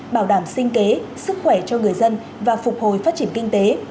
bảo đảm sinh kế sức khỏe cho người dân và phục hồi phát triển kinh tế